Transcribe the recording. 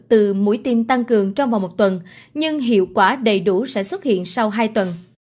từ mũi tiêm tăng cường trong vòng một tuần nhưng hiệu quả đầy đủ sẽ xuất hiện sau hai tuần